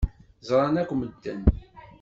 Ẓṛan akk medden.